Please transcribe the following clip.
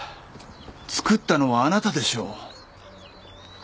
作ったのはあなたでしょう。